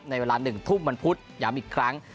ในเวลา๑ทุ่มวันพุธย้ำอีกครั้ง